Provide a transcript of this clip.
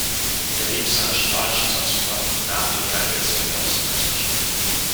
Er legte seinen Strahlenschutzanzug an und nahm den Geigerzähler aus seiner Tasche.